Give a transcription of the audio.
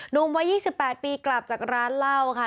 หนุ่มวัย๒๘ปีกลับจากร้านเหล้าค่ะ